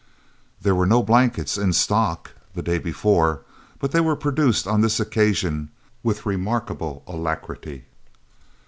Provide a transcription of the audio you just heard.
There were no blankets "in stock" the day before, but they were produced on this occasion with remarkable alacrity.